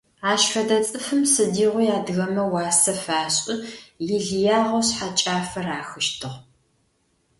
Ащ фэдэ цӀыфым сыдигъуи адыгэмэ уасэ фашӀы, илыягъэу шъхьэкӀафэ рахыщтыгь.